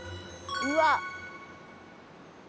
うわっ。